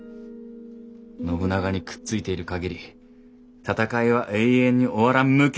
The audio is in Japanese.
信長にくっついている限り戦いは永遠に終わらん無間地獄じゃ！